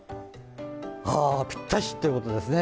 ああ、ぴったしということですね。